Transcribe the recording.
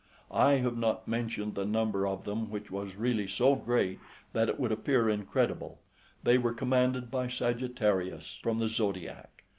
I have not mentioned the number of them, which was really so great, that it would appear incredible: they were commanded by Sagittarius, {90a} from the Zodiac.